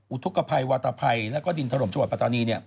อุทุกภัยวัตภัยและก็ดินถรมชาวปัตตานี